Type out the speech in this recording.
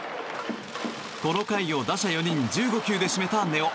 この回を打者４人１５球で締めた根尾。